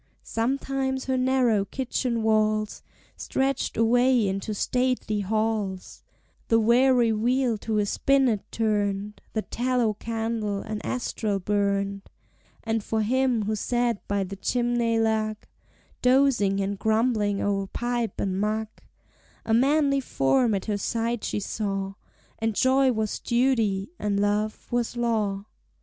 Sometimes her narrow kitchen walls Stretched away into stately halls; The weary wheel to a spinnet turned, The tallow candle an astral burned; And for him who sat by the chimney lug, Dozing and grumbling o'er pipe and mug, A manly form at her side she saw, And joy was duty and love was law.